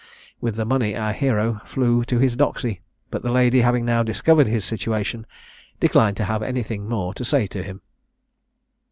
With the money our hero flew to his doxy, but the lady having now discovered his situation declined to have anything more to say to him.